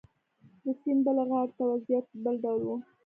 د سیند بلې غاړې ته وضعیت بل ډول و.